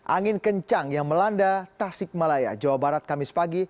angin kencang yang melanda tasik malaya jawa barat kamis pagi